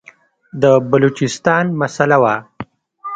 د بلوچستان مسله وه.